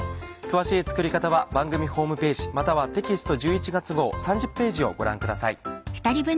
詳しい作り方は番組ホームページまたはテキスト１１月号３０ページをご覧ください。